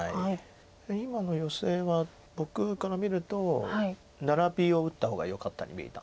今のヨセは僕から見るとナラビを打った方がよかったに見えた。